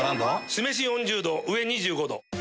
酢飯４０℃上２５℃。